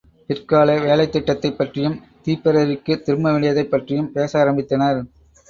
பிற்கால வேலைத்திட்டத்தைப் பற்றியும், திப்பெரரிக்குத் திரும்பவேண்டியதைப் பற்றியும் பேச ஆரம்பித்தனர்.